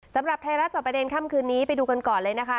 สำหรับไทยรัฐจอบประเด็นค่ำคืนนี้ไปดูกันก่อนเลยนะคะ